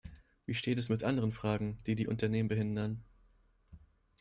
Wie steht es mit anderen Fragen, die die Unternehmen behindern.